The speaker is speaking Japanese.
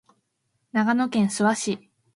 長野県諏訪市